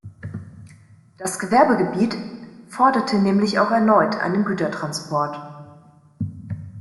Das Gewerbegebiet forderte nämlich auch erneut einen Gütertransport.